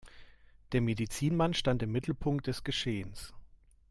Der Medizinmann stand im Mittelpunkt des Geschehens.